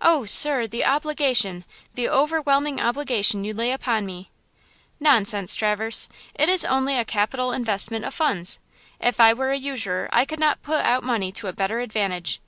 "Oh, sir, the obligation–the overwhelming obligation you lay upon me!" "Nonsense, Traverse! it is only a capital investment of funds! If I were a usurer I could not put out money to a better advantage.